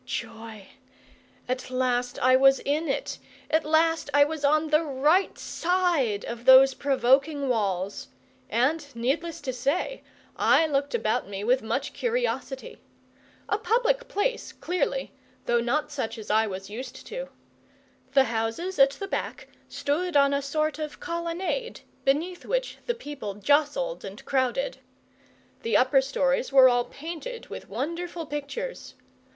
Joy! At last I was in it, at last I was on the right side of those provoking walls; and, needless to say, I looked about me with much curiosity. A public place, clearly, though not such as I was used to. The houses at the back stood on a sort of colonnade, beneath which the people jostled and crowded. The upper stories were all painted with wonderful pictures.